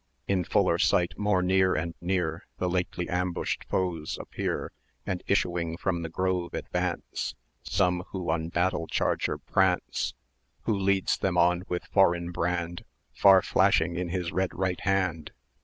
In fuller sight, more near and near, The lately ambushed foes appear, And, issuing from the grove, advance Some who on battle charger prance. Who leads them on with foreign brand Far flashing in his red right hand?